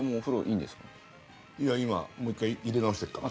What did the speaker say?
いや今もう１回入れ直してるから。